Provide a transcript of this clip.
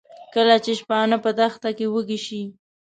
کله چې شپانه په دښته کې وږي شي.